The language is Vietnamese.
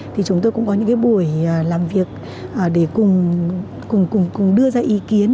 thì chúng tôi cũng có những buổi làm việc để cùng đưa ra ý kiến